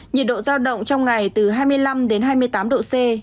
nhiệt độ giao động trong ngày từ hai mươi năm đến hai mươi tám độ c